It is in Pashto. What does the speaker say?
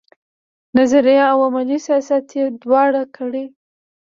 نظري او عملي سیاست یې دواړه کړي.